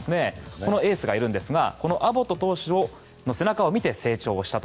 このエースがいるんですがこのアボット投手の背中を見て成長したと。